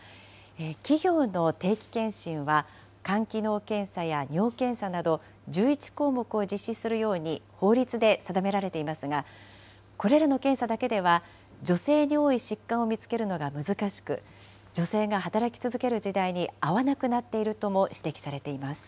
企業の定期健診は、肝機能検査や尿検査など、１１項目を実施するように法律で定められていますが、これらの検査だけでは女性に多い疾患を見つけるのが難しく、女性が働き続ける時代に合わなくなっているとも指摘されています。